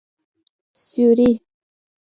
سیوری